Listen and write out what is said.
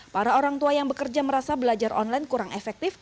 para orang tua yang bekerja merasa belajar online kurang efektif